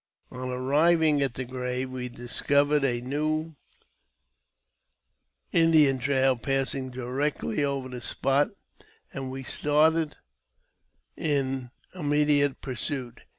On arriving at the grave, v^e discovered a new Indian trail passing directly over the spot, and we started in im mediate pursuit.